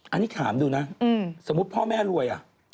อันนี้ถามดูนะสมมุติพ่อแม่รวย